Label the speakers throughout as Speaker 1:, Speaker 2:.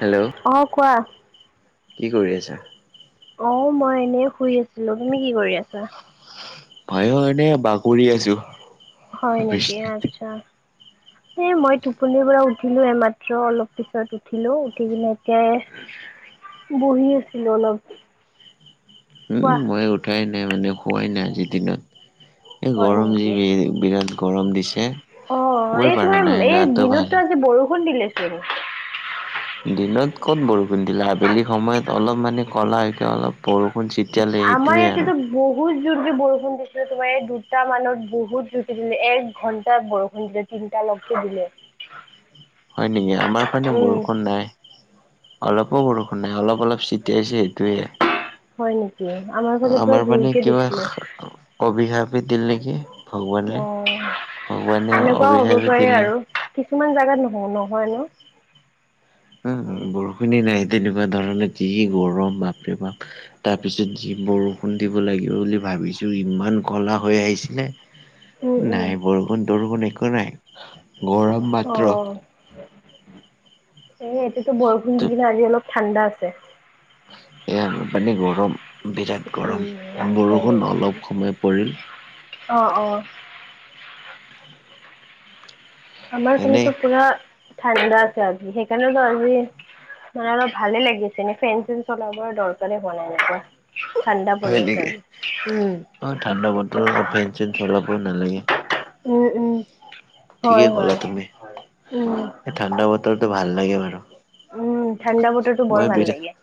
Speaker 1: Hello,
Speaker 2: অ কোৱা
Speaker 1: ' কি কৰি আছা?
Speaker 2: অ মই এনেই শুই আছিলো। তুমি কি কৰি আছা?
Speaker 1: ভাইৰ এনে বাকৰি আছো।
Speaker 2: হয় নেকি,
Speaker 1: বিছনাত।
Speaker 2: আচ্ছা। এ মই টোপনিৰ পৰা উঠিলো এইমাত্ৰ অলপ পিছত উঠিলো উঠি কিনে এতিয়াই
Speaker 1: [unintelligible]
Speaker 2: বহিয আছিলো অলপ।
Speaker 1: উম
Speaker 2: কোৱা
Speaker 1: মই উঠাই নাই মানে হোৱাই নাই আজিৰ দিনত এই
Speaker 2: হয়
Speaker 1: গৰম
Speaker 2: নেকি
Speaker 1: য বিৰাট গৰম দিছে
Speaker 2: অ
Speaker 1: শুবই
Speaker 2: এই
Speaker 1: পাৰা
Speaker 2: তোমাৰ
Speaker 1: নাই
Speaker 2: এই
Speaker 1: গাটো ভাল
Speaker 2: দিনততটো আজি বৰষুণ দিলেচোন
Speaker 1: দিনত ক'ত বৰষুণ দিলে আবেলি সময়ত অলপ মানে ক'লাকে অলপ বৰষুণ ছতিিয়ালে
Speaker 2: আমাৰ
Speaker 1: সেইটোোৱে আৰু
Speaker 2: ইয়াতেতো বহুত জোৰকে বৰষুণ দিছিলো তোমাৰ এই দুটা মানত বহুত জুখি দিলে এক ঘন্টাত বৰষুণ দিলে তিনিটা লগত চে
Speaker 1: উ হয় নেকি আমাৰ ফানে
Speaker 2: উম
Speaker 1: বৰষুণ নাই অলপো বৰষুণ নাই অলপ অলপ চ এতিয়াছে সেইটোোৱে
Speaker 2: হয় নেকি ফালে পুৰা
Speaker 1: আমাৰ মানে
Speaker 2: জোৰকে
Speaker 1: কিবা
Speaker 2: দিছিলে
Speaker 1: কবি খাপি দিল নেকি ভগৱানলে
Speaker 2: অ
Speaker 1: ভগৱানে
Speaker 2: এনেকুৱাও হ'ব
Speaker 1: অভিশাপে দিল
Speaker 2: পাৰে
Speaker 1: নেকি
Speaker 2: আৰু কিছুমান জাগাত নহয় ন হয়য় নো
Speaker 1: হ বৰষুণি নাই তেনেকুৱা ধৰণে যি গৰম বাপৰে তাৰ পিছত যি বৰষুণ দিব লাগিব বুলি ভাবিছোঁ ইমান ক'লা হৈ আহিছিলে
Speaker 2: উম উম
Speaker 1: নাই বৰষুণ তৰগুণ একো নাই গৰম মাত্ৰ
Speaker 2: অ', এ এতিতো বৰষুণ দি কিনে আজি অলপ ঠাণ্ডা আছে
Speaker 1: এয়াৰপানী গৰম বিৰাট গৰম
Speaker 2: উম। হয়
Speaker 1: বৰষুণ
Speaker 2: নেকি?
Speaker 1: অলপ সময় পৰিল
Speaker 2: অ অ আমাৰ
Speaker 1: এনেই
Speaker 2: সানতো পুৰা ঠাণ্ডা আছে আজি সেইকাৰণেতো আজি মানে অলপ ভালে লাগিছে ন ফেন চ চলাবৰ দৰকাৰ বনাই না
Speaker 1: হয় নেকি অ ঠাণ্ডা বতৰ ফে চেন সেওলব নালাগ
Speaker 2: উম উম
Speaker 1: ঠিকেই
Speaker 2: হয়,
Speaker 1: ক'লা
Speaker 2: হয়,
Speaker 1: তুমি
Speaker 2: উম।
Speaker 1: ঠাণ্ডা বতৰটোো ভাল লাগে বাৰু
Speaker 2: উম ঠাণ্ডা মটৰটো বৰ ভাল লাগে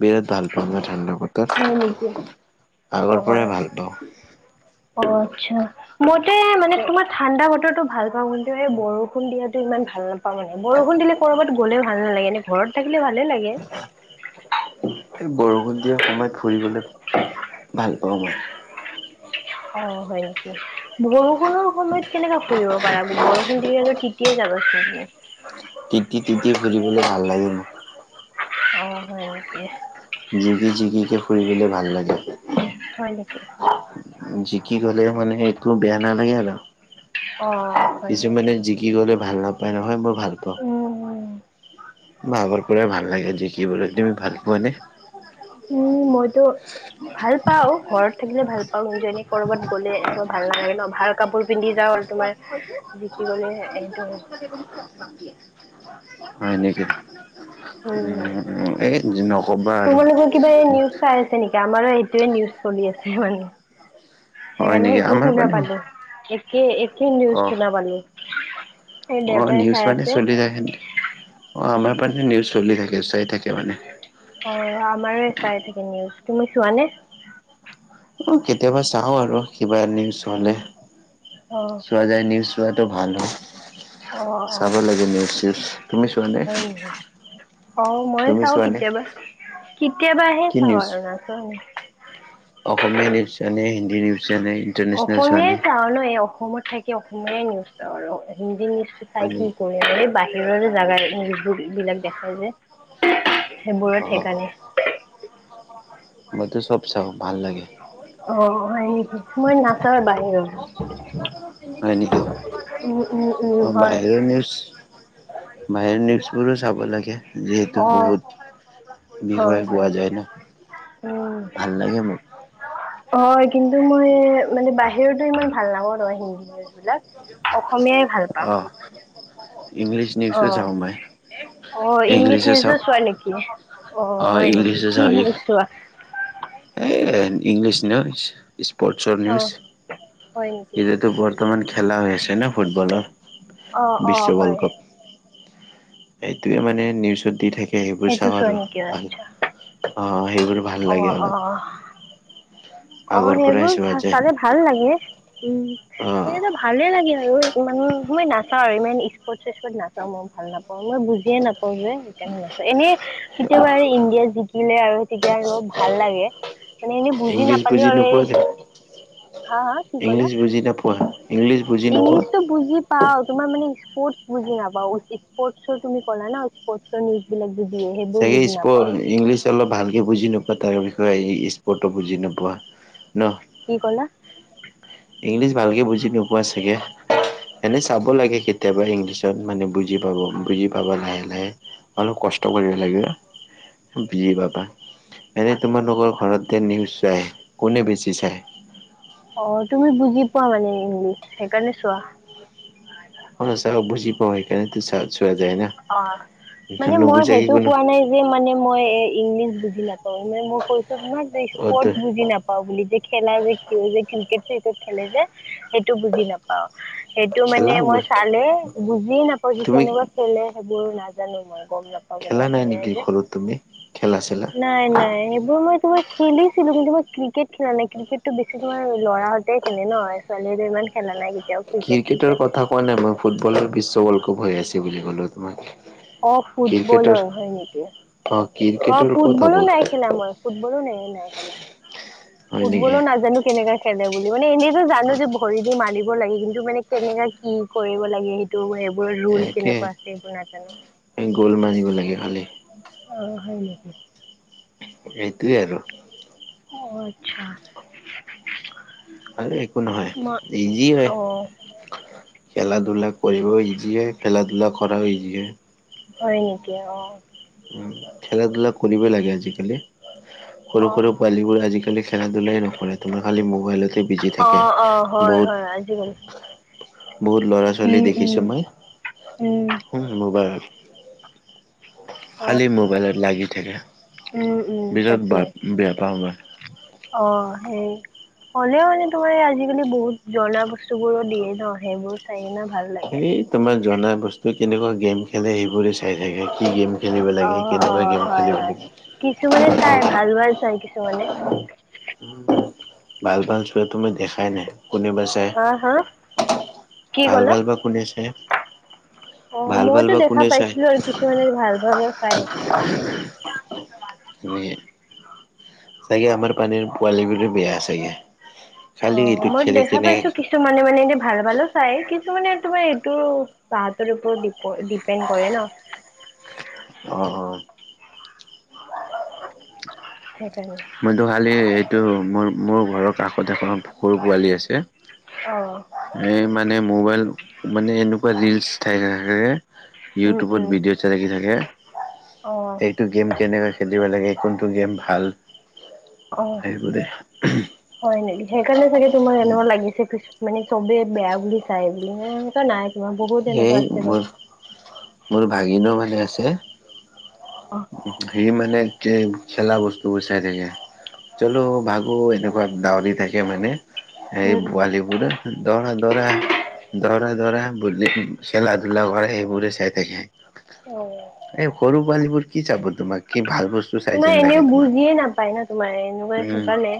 Speaker 1: বেত ভাল পা ন াঠণ্ড হঠৎ
Speaker 2: হয় নেকি?
Speaker 1: আগৰ
Speaker 2: অ',
Speaker 1: পৰাই ভাল পাওঁ
Speaker 2: আ্া মতে মানে তোমাৰ ঠাণ্ডা বতৰটো ভাল পাও কিন্তু এই বৰষুণ দিয়াতটো ইমান ভাল নাপা মানে বৰষুণ দিলে কৰবাত গ'লে ভাল নালাগে এনেে ঘৰত থাকিলে ভালে লাগে
Speaker 1: এই বৰষুণ দিয়া সময়ত ফুৰিবলৈ ভাল পাওঁ মই
Speaker 2: অ হয়ক বৰষুণৰ সময়ত কেনেককাে ফুৰিব পাৰা বৰষুণ দি তিয়ে যাব চোনে
Speaker 1: তিতি তিতি ফুৰিবলৈ ভাল লাগে মোক
Speaker 2: অ সক
Speaker 1: জিকি জিকিকে ফুৰিবলৈ ভাল লাগে
Speaker 2: হয় নেকি
Speaker 1: কি ক'লে মানে একো বেয়া নালাগে আৰু
Speaker 2: অ' হয় নেকি
Speaker 1: কিছুমানে জিকি গলে ভাল নাপায় নহয় মোৰ
Speaker 2: উম উ
Speaker 1: বৰ পৰা ভাল লাগে যে কি বো তুমি ভাল পোৱা নে
Speaker 2: উম মইতো
Speaker 1: [inaudible]
Speaker 2: ভাল পাও ঘৰত থাকিলে ভাল পাও নিজনে কৰবাত গ'লে এক ভাল নালাগে ন ভাল কাপোৰ পিন্ধি যাও তোমাৰ জ কি কলে এইটো
Speaker 1: হয় নেকি উ
Speaker 2: উম
Speaker 1: এই ন
Speaker 2: তোমালোকৰ কিবা এই নিউজ চাই আছে নেকি আমাৰো এইটোয়ে নিউজ চলি আছে মানে
Speaker 1: হয়
Speaker 2: সেইকাৰণে
Speaker 1: নেকি?
Speaker 2: সেইটোও
Speaker 1: আমাৰ
Speaker 2: শুনা
Speaker 1: মানে
Speaker 2: পালো একে একে নিউজ
Speaker 1: অ',
Speaker 2: শুনা পালো এই
Speaker 1: অ
Speaker 2: দেউতাই
Speaker 1: নিউজ
Speaker 2: চাই
Speaker 1: মানে
Speaker 2: আছে
Speaker 1: চলি থাকে অ আমাৰ মানে নিউজ চলি থাকে চাই থাকে মানে। অ',
Speaker 2: অ আমাৰো চাই থাকে নিউজ তুমি চোৱাানে
Speaker 1: অ কেতিয়াবা চাওঁ আৰু কিবা এ নিউজ হ'লে
Speaker 2: অ
Speaker 1: চোৱা যায় নিউজ। চোৱাটো ভাল
Speaker 2: অ
Speaker 1: হ'
Speaker 2: অ
Speaker 1: চাব লাগে নিউজ চউজ তুমি চোৱাানে?
Speaker 2: হয় নেকি অ মই চাঊও কেতিয়াবা, কেতিয়াবাহে
Speaker 1: কি
Speaker 2: চাওঁ
Speaker 1: নিউজ
Speaker 2: আৰু [unintelligible]
Speaker 1: অসমীয়া নিউজ নে হিন্দী নিউজ? চোৱা নে ইণ্টাৰনেশ্যনেল চোৱা
Speaker 2: অসমীয়াই
Speaker 1: নে
Speaker 2: চাওঁ ন এই অসমত থাকে অসমীয় নিউজ চাওঁ আৰু হিন্দী নিউজটো চাই
Speaker 1: হয়
Speaker 2: কি
Speaker 1: নেকি
Speaker 2: কৰিম? ব [unintelligible] সেইবোৰো
Speaker 1: অ
Speaker 2: [unintelligible]
Speaker 1: মইতো চব চাওঁ ভাল লাগে।
Speaker 2: অ হয় নেকি, মই নাচাওঁ বাহিৰৰ।
Speaker 1: হয় নেকি?
Speaker 2: উম উম উম
Speaker 1: অ
Speaker 2: হয়
Speaker 1: বাহিৰৰ নিউজ বাহিৰ নিউজ বোৰো চাব লাগে। যিহেতু
Speaker 2: অ
Speaker 1: বহুত
Speaker 2: হয়
Speaker 1: বিষয়ে পোৱা
Speaker 2: হয়
Speaker 1: যায় ন।
Speaker 2: উম
Speaker 1: ভাল লাগে মোৰ।
Speaker 2: হয় কিন্তু মই মানে বাহিৰৰতো ইমান ভাল নাপাওঁ মানে হিন্দী নিউজ বিলাক। অসমীয়াই ভাল পাওঁ।
Speaker 1: অ ইংলিছ
Speaker 2: অ
Speaker 1: নিউজো চাওঁ মই
Speaker 2: অ ইংলিছ
Speaker 1: ইংলিছো
Speaker 2: নিউজো
Speaker 1: চাওঁ
Speaker 2: চোৱা নেকি? অ হয় নেকি
Speaker 1: ইংলিছো
Speaker 2: কি
Speaker 1: চাওঁ
Speaker 2: নিউজ চোৱা?
Speaker 1: এই ইংলিছ নিউজ স্পৰ্টছৰ
Speaker 2: অ
Speaker 1: নিউজ।
Speaker 2: হয় নেকি
Speaker 1: এতিয়াতো বৰ্তমান খেলা হৈ আছে ন ফুটবলৰ।
Speaker 2: অ অ হয়।
Speaker 1: এইটোৱে মানে নিউজত দি থাকে। তে সেইবোৰ
Speaker 2: সেইটো
Speaker 1: চাওঁ
Speaker 2: চোৱা
Speaker 1: আৰু
Speaker 2: নেকি
Speaker 1: ভাল
Speaker 2: আচ্ছা
Speaker 1: অঁ সেইবোৰ ভাল
Speaker 2: অ
Speaker 1: লাগে অলপ।
Speaker 2: অ অ
Speaker 1: আগৰ পৰাই
Speaker 2: সেইবোৰ
Speaker 1: চোৱা যায়
Speaker 2: চালে ভাল লাগে উম।
Speaker 1: অ
Speaker 2: সেই‌ ভালে লাগে আৰু ইমান মই নাচাওঁ আৰু ইমান স্পৰ্ট চৰ্ট নাচাওঁ মই ভাল নাপাওঁ। মই বুজিয়ে নাপাওঁ যে সেইকাৰণে নাচাওঁ এনে কেতিয়াবা আৰু ইণ্ডিয়া জিকিলে আৰু তেতিয়া ৰ ভাল লাগে মানে এনেই বুজি নাপ
Speaker 1: [unintelligible]
Speaker 2: হা, হা, কি কলা
Speaker 1: ইংলিছ বুজি নোপোৱা ইংলিছ বুজি নোপোৱা
Speaker 2: ইংলিছতটো বুজি পাওঁ, তোমাৰ মানে স্পৰ্ট বুজি নাপাওঁ, স্পৰ্ছৰ তুমি কলা ন স্পৰ্ছৰ নিউজ বিলাক যদি
Speaker 1: চাগে ইচকো ইংলিছ অলপ ভালকে বুজি নোপোৱা। বা তাৰ বিষয়ে স্পষ্ট বুজি নোপোৱা ন?
Speaker 2: কি ক'লা?
Speaker 1: ইংলিছ ভালকে বুজি নোপোৱা চাগে? এনে চাব লাগে কেতিয়াবা ইংলিছত মানে বুজি পাব বুজি পাবা লাহে লাহে অলপ ক কষ্ট কৰিব লাগিব বুজি পাবা। এনেই তোমালোকৰ ঘৰতে যে নিউজ চাই কোনে বেছি চায়?
Speaker 2: অ' তুমি বুজি পোৱা মানে ইংলিছ সেইকাৰণে চোৱা।
Speaker 1: হয়, চাওঁ বুজি পাওঁ সেইকাৰণেতো চাই আছোঁ।
Speaker 2: অ' মানে মই
Speaker 1: নুবুজাকে
Speaker 2: সেইটো
Speaker 1: কোনো
Speaker 2: কোৱা নাই যে মানে মই ইংলিছ বুজি নাপাওঁ। মানে মই কৈছো মানে যে
Speaker 1: অ ত
Speaker 2: স্পৰ্ট বুজি নাপাওঁ বুলি যে। খেলা যে কি যে ক্ৰিকেট চ্ৰিকেট খেলে যে সেইটো বুজি নাপাওঁ। সেইটো মানে
Speaker 1: খেলা
Speaker 2: মই চালে বুজিয়েই নাপাওঁ। যে
Speaker 1: তুমি
Speaker 2: কেনেকুৱা? খেলে নাজানো
Speaker 1: খেলা নাই নেকি
Speaker 2: মই।
Speaker 1: ঘৰত তুমি খেলা চেলা?
Speaker 2: নাই নাই সেইবোৰ মই তোমাৰ খেলি খেলি ছিলো কিন্তু মই ক্ৰিকেট খেলা নাই, ক্ৰিকেটটো বেছি তোমাৰ ল'ৰা হতে খেলে ন ছোৱালীহতে ইমান খেলা নাই। কেতিয়াও ক্ৰিকেট
Speaker 1: ক্ৰিকেটৰ
Speaker 2: চিকেট
Speaker 1: কথা কোৱা নাই মই ফুটবল আৰু বিশ্ব ৱৰ্ল্ড কপ হৈ আছে বুলি কলো তোমাক।
Speaker 2: অ'
Speaker 1: ক্ৰিকেটৰ
Speaker 2: ফুটবলৰ হয় নেকি?
Speaker 1: অ
Speaker 2: অ'
Speaker 1: ক্ৰিকেটৰ ক'ত হ'ব
Speaker 2: ফুটবলো নাই খেলা মই ফুটবলো নাই নাই খেলা।
Speaker 1: হয় নেকি?
Speaker 2: ফুটবলো নাজানো কেনেকা খেলে বুলি মানে এনেইতো জানো যে ভৰি দি মাৰি দিব লাগে কিন্তু মানে কেনেকা কি কৰিব লাগে সেইটো। বোৰ ৰোল
Speaker 1: একে
Speaker 2: কেনেকুৱা আছে এইবোৰ নাজানো।
Speaker 1: গ'ল মাৰিব লাগে খালি।
Speaker 2: অ' হয় নেকি?
Speaker 1: সেইটোৱে আৰু।
Speaker 2: অ' আচ্ছা।
Speaker 1: আৰু একো নহয়
Speaker 2: মই
Speaker 1: ইজি হয়।
Speaker 2: অ
Speaker 1: খেলা-ধূলা কৰিব ইজিয়ে খেলা-ধূলা কৰাও ইজিয়ে।
Speaker 2: হয় নেকি অ'।
Speaker 1: খেলা-ধূলা কৰিব‌ই লাগে আজিকালি। সৰু
Speaker 2: অ
Speaker 1: সৰু পোৱালী বোৰ আজিকালি খেলা ধূলাই নকৰে তোমাৰ খালি মোবাইলত। বিজি
Speaker 2: অ
Speaker 1: থাকে
Speaker 2: অ হয় হয় আজিকালি
Speaker 1: বহুত। বহুত ল'ৰা-ছোৱালী
Speaker 2: উম উম
Speaker 1: দেখিছো মই
Speaker 2: উম
Speaker 1: খুব মোবাইল।
Speaker 2: হয়
Speaker 1: খালী মোবাইলত লাগি থাকে
Speaker 2: উম উম
Speaker 1: বিৰাত
Speaker 2: তাকে
Speaker 1: বে বেয়া পাওঁ ম‌ই।
Speaker 2: অ' হেই। হ'লেও মানে তোমাৰ আজিকালি বহুত জনা বস্তু বোৰো দিয়ে ন' সেইবোৰ চাই কিনে। ভাল লাগে
Speaker 1: এই তোমাৰ জনা বস্তু কেনেকুৱা গেম খেলে সেইবোৰে চাই থাকে কি গেম। খেলিব লাগে
Speaker 2: অ'
Speaker 1: কেনেকুৱা
Speaker 2: অ'
Speaker 1: গেম
Speaker 2: হয়,
Speaker 1: খেলিব
Speaker 2: হয়
Speaker 1: লাগে
Speaker 2: কিছুমানে চাই ভাল ভাল চাই কিছু। কিছুমানে।
Speaker 1: ভাল ভাল চোৱা তো মই দেখাই নাই। কোনেবা চাই
Speaker 2: হা, হা কি
Speaker 1: ভাল
Speaker 2: ক'লা?
Speaker 1: ভাল বা কোনে চাই?
Speaker 2: অ',
Speaker 1: ভাল ভাল
Speaker 2: মইতো
Speaker 1: বা
Speaker 2: দেখা
Speaker 1: কোনে চাই?
Speaker 2: পাইছিলো আৰু কিছুমানে ভাল ভালো চাই।
Speaker 1: এনেই। চাগে আমাৰ [unintelligible] পোৱালী বোৰ বেয়া চাগে। খালি
Speaker 2: অ'
Speaker 1: এইটো
Speaker 2: মই
Speaker 1: খেলে
Speaker 2: দেখা পাইছো,
Speaker 1: কেনেকে
Speaker 2: কিছুমানে মানে এনে ভাল ভালো চাই কিন্ত। কিছুমানে তোমাৰ এইটো তাহাঁতৰ ওপৰত নিৰ্ভ দি পেন্ট কৰে ন।
Speaker 1: অ অ
Speaker 2: সেইকাৰণে
Speaker 1: মইতো ভালে এইটো মোৰ মোৰ ঘৰৰ কাষত এখন সৰু পোৱালি আছে।
Speaker 2: অ'।
Speaker 1: এ মানে মোবাইল মানে এনেকুৱা ৰিলচ্ চাই থাকে।
Speaker 2: উম, উম,
Speaker 1: ইউটিউবত ভিডিঅ' চাই লাগি থাকে
Speaker 2: অ',
Speaker 1: এইটো গেম কেনেকৈ খেলিব লাগে। কোনটো গেম ভাল
Speaker 2: অ',
Speaker 1: সেইবোৰে
Speaker 2: হয় নেকি সেইকাৰণে চাগে তোমাৰ এনেকুৱ লাগিছে কিছুমানে। চবে বেয়া বুলি চাই বুলি মানে নাই। তোমাৰ বহুত এনেকুৱা
Speaker 1: সেই
Speaker 2: আছে বাৰু
Speaker 1: মোৰ মোৰ ভাগিনো মানে। আছে
Speaker 2: অ',
Speaker 1: সি মানে। খেলা বস্তুবোৰ চাই থাকে চলো ভাগো এনেকুৱা ডাউৰী থাকে মানে। এই
Speaker 2: উম, উম,
Speaker 1: বোৱালি বোৰ দৌৰা দৌৰা দৌৰা দৌৰা বুলি। উম, খেলা-ধূলা কৰে সেইবোৰে চাই থাকে।
Speaker 2: অ',
Speaker 1: পোৱালীবোৰ কি চাব তোমাক কি। ভাল বস্তু চাই
Speaker 2: তোমাৰ
Speaker 1: যেন
Speaker 2: এনেও
Speaker 1: লাগে তোমাক।
Speaker 2: বুজিয়ে নাপায় ন' তোমাৰ এনেকুৱা
Speaker 1: উম
Speaker 2: সেইকাৰনে।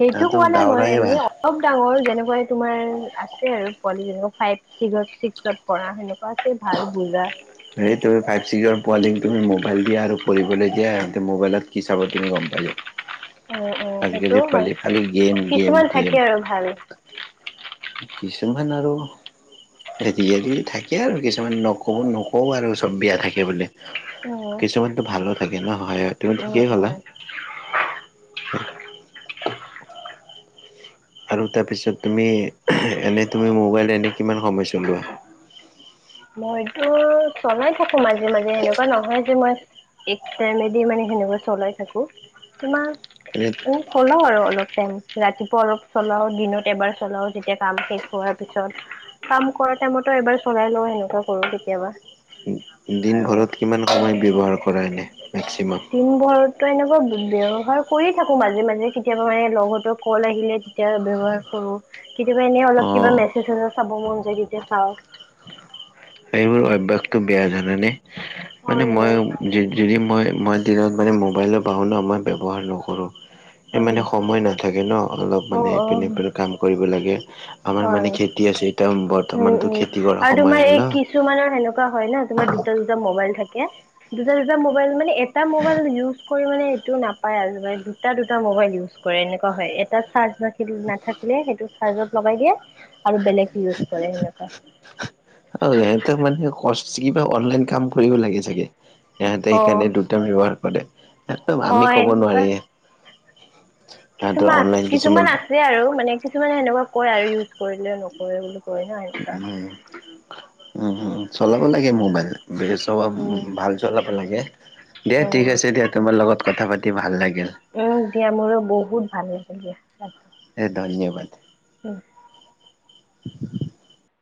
Speaker 2: সেইটো
Speaker 1: তাহাঁতক
Speaker 2: কোৱা নাই মই
Speaker 1: দাউৰাই
Speaker 2: এনেই
Speaker 1: ভাল।
Speaker 2: অলপ ডাঙৰ যেনেকুৱা। তোমাৰ আছে আৰু পোৱালি যেনেকুৱা ফাইভ ছিক্জত ছিক্সত পঢা সেনেকা।
Speaker 1: সেই ত' ফাইভ চিক্‌জৰ পোৱালি তুমি মোবাইল দিয়া আৰু পঢ়িবলৈ দিয়া সিহঁতে মোবাইলত কি চাব তুমি গম পাই যাবা।
Speaker 2: উম উম
Speaker 1: আজিকালি
Speaker 2: সেইটোও হয়
Speaker 1: পোৱালি খালী গেম গেম
Speaker 2: কিছুমান
Speaker 1: গেম।
Speaker 2: থাকে আৰু ভাল
Speaker 1: কিছুমান আৰু [unintelligible] থাকে আৰু কিছুমান নকব নকওঁ আৰু চব বেয়া থাকে বোলে।
Speaker 2: উম
Speaker 1: কিছুমানতো ভালো থাকে ন' হয়।
Speaker 2: উম উম।
Speaker 1: দেহ। আৰু তাৰ পিছত তুমি এনে তুমি মোবাইল এনে কিমান সময় চলোৱা [unintelligible]
Speaker 2: মইতো চলাই থাকো মাজে মাজে এেনেকুৱা নহয় যে মই একা টাইমেদি মানে সেনেকা চলাই থাকো তোমাৰ
Speaker 1: এনে
Speaker 2: উ চলাও আৰু অলপ টাইম ৰাতি পৰৱ চলাও দিনত এবাৰ চলাও যেতিয়া কাম শেষ হোৱাৰ পিছত কাম কৰা টাইমতো এবাৰ চলাই লওঁ সেনেকুৱা কৰো কেতিয়াবা আৰু
Speaker 1: দিনভৰত কিমান সময় ব্যৱহাৰ কৰা এনে মেক্সিমাম
Speaker 2: ব্যৱসাৰ কৰি থাকো মাজে মাজে কেতিয়াবা মানে লগত কল আহিলে তেতিয়া ব্যৱহাৰ কৰো কেতিয়াবা এনে অলপ কিবা
Speaker 1: অ'
Speaker 2: মেছেজ চাব মন যায় তেতিয়া চাওঁ
Speaker 1: এইবোৰ অভ্য়াসতটো বেয়া জান নে মানে
Speaker 2: হয়
Speaker 1: মই
Speaker 2: হয়
Speaker 1: যদি মই মই দিনত মানে মোবাইলৰ পাহৰো ন মই ব্যৱহাৰ নকৰোঁ সেই
Speaker 2: হয়
Speaker 1: মানে
Speaker 2: নেকি
Speaker 1: সময় নাথাকে ন অলপ
Speaker 2: অ
Speaker 1: মানে
Speaker 2: অ
Speaker 1: ইপিনেপিনে কাম কৰিব লাগে আমাৰ
Speaker 2: হয়
Speaker 1: মানে খেতি আছে এতিয়া
Speaker 2: উম
Speaker 1: বৰ্তমানতো
Speaker 2: উম
Speaker 1: খেতি কৰা
Speaker 2: আৰু
Speaker 1: সময়
Speaker 2: তোমাৰ
Speaker 1: হ'ল
Speaker 2: এই
Speaker 1: ন।
Speaker 2: কিছুমানৰ সেনেকুৱা হয় ন তোমাৰ দুটা দুটা মবাইল থাকে দুটা দুটা মোবাইল মানে এটা মোবাইল ইউজ কৰি মানে এইটো নাপাই আৰু মানে দুটা দুটা মোবাইল উচ্ কৰে এনেকা হয় এটা চাচ নাথিলে সেই চাচ লগ দিয়ে আৰু বেলেগ ইউজ কৰে সেনেকুৱা
Speaker 1: অ সিহঁতে মানে কষ্ট কিবা অনলাইন কাম কৰিব লাগে চাগে সহতে
Speaker 2: অ
Speaker 1: সেইকাৰণে দুটাম ব্যৱহাৰ কৰে একদম আমি
Speaker 2: হয়
Speaker 1: ক'ব
Speaker 2: এনেকুৱা
Speaker 1: নোৱাৰি সিহঁতৰ
Speaker 2: কিছুমান
Speaker 1: অনলাইন
Speaker 2: কিছুমান আছে আৰু মানে কিছুমানে সেনেকুৱা কয় আৰু ইউজ কৰিলে নকৰে বোলো [unintelligible]
Speaker 1: উমম চলাব লাগে মোবাইল চব
Speaker 2: উম
Speaker 1: ভাল চলাব লাগে দিয়া ঠিক
Speaker 2: উম
Speaker 1: আছে দিয়া তোমাৰ লগত কথা পাতি ভাল লাগে
Speaker 2: উম দিয়া মোৰো বহুত ভাল লাগে দিয়া ৰা
Speaker 1: এ ধন্যবাদ
Speaker 2: হম,
Speaker 1: [unintelligible]